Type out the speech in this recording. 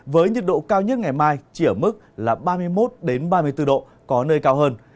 với nhiệt độ cao nhất ngày mai chỉ ở mức là ba mươi một ba mươi bốn độ có nơi cao hơn